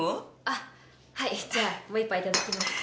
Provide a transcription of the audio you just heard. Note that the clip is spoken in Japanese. あっはいじゃあもう１杯頂きます。